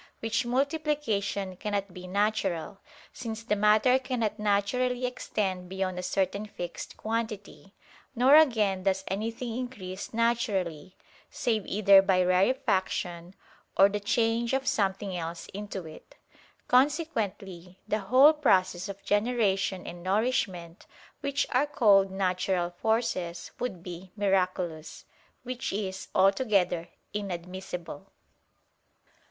Which multiplication cannot be natural: since the matter cannot naturally extend beyond a certain fixed quantity; nor again does anything increase naturally, save either by rarefaction or the change of something else into it. Consequently the whole process of generation and nourishment, which are called "natural forces," would be miraculous. Which is altogether inadmissible.